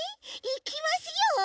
いきますよ。